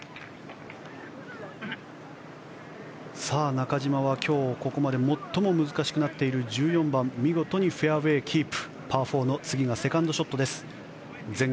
中島は今日、ここまで最も難しくなっている１４番見事にフェアウェーキープ。